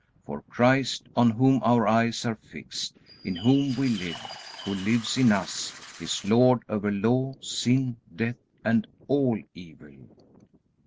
For Christ, on whom our eyes are fixed, in whom we live, who lives in us, is Lord over Law, sin, death, and all evil.